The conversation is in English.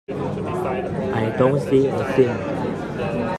I don't see a thing.